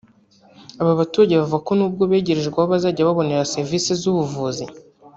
Aba baturage bavuga ko nubwo begerejwe aho bazajya babonera serivisi z’ubuvuzi